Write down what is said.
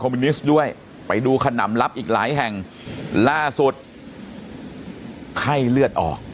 มิวนิสต์ด้วยไปดูขนำลับอีกหลายแห่งล่าสุดไข้เลือดออก